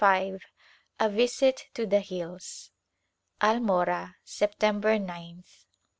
V A Visit to the Hills Almora^ September gth.